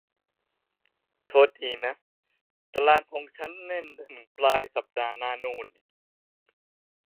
ขอโทษที ตารางของฉันแน่นจนถึงปลายสัปดาห์หน้า